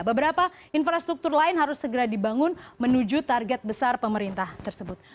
beberapa infrastruktur lain harus segera dibangun menuju target besar pemerintah tersebut